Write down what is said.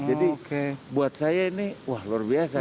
jadi buat saya ini wah luar biasa